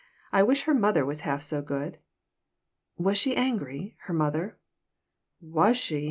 "I wish her mother was half so good." "Was she angry, her mother?" "Was she!